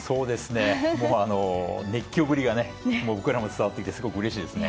もう、熱狂ぶりが僕らにも伝わってきてうれしいですね。